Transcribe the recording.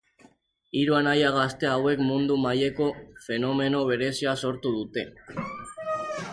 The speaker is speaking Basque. Hiru anaia gazte hauek mundu mailako fenomeno berezia sortu dute.